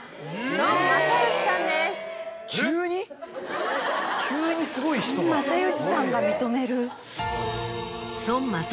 孫正義さんが認める？